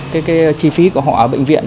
và cái chi phí của họ ở bệnh viện